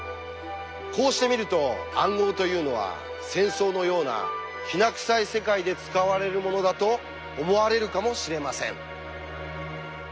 こうして見ると暗号というのは戦争のようなきな臭い世界で使われるものだと思われるかもしれません。